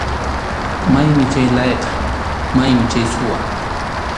Maymi chay layqa, maymi chay suwa.